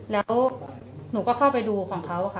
แล้วหนูก็เข้าไปดูของเขาค่ะ